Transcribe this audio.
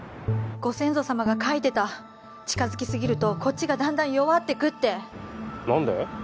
ご先祖様が書いてた近づきすぎるとこっちがだんだん弱ってくって何で？